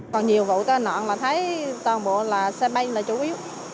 còn nhiều vụ tai nạn là thấy toàn bộ là xe bay là chủ yếu